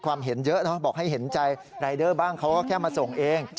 ความเห็นเยอะบอกให้เห็นใจรายเดอร์บ้างเขาก็แค่มาส่งเอง